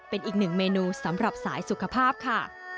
เป็นอีกหนึ่งเมนูสำหรับสายสุขภาพค่ะ